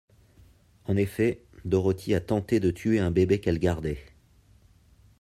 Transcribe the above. En effet, Dorothy a tenté de tuer un bébé qu'elle gardait.